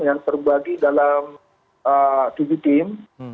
yang terbagi dalam tujuh tim